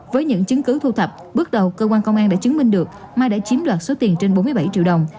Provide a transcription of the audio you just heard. với những chứng cứ thu thập bước đầu cơ quan công an đã chứng minh được mai đã chiếm đoạt số tiền trên bốn mươi bảy triệu đồng